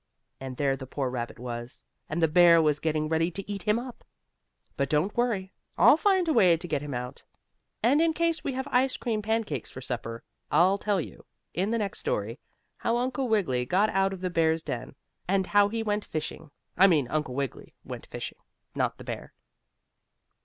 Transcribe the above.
And there the poor rabbit was, and the bear was getting ready to eat him up. But don't worry, I'll find a way to get him out, and in case we have ice cream pancakes for supper I'll tell you, in the next story, how Uncle Wiggily got out of the bear's den, and how he went fishing I mean Uncle Wiggily went fishing, not the bear.